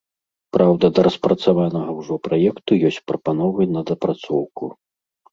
Праўда, да распрацаванага ўжо праекту ёсць прапановы на дапрацоўку.